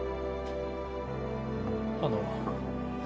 あの。